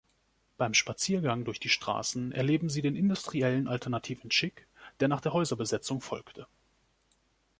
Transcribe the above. Beim Spaziergang durch die Straßen erleben Sie den industriellen alternativen Chic, der nach der Häuserbesetzung folgte.